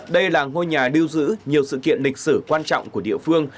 đây là ngôi nhà lưu giữ nhiều sự kiện lịch sử quan trọng của địa phương